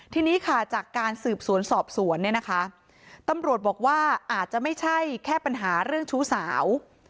ทีนี้ค่ะจากการสืบสวนสอบสวนเนี่ยนะคะตำรวจบอกว่าอาจจะไม่ใช่แค่ปัญหาเรื่องชู้สาว